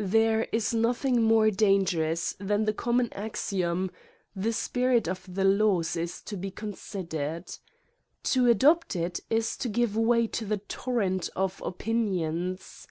There is nothing more dangerous than the common axiom, the spirit of the laws is to be con sidered. To adopt it is to give way to the tor rent of opinions.